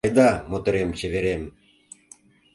Айда, моторем-чеверем